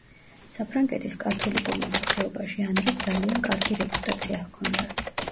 საფრანგეთის კათოლიკურ მოსახლეობაში ანრის ძალიან კარგი რეპუტაცია ჰქონდა.